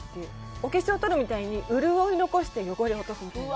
お化粧とるみたいに潤いを残して汚れを落とすみたいな。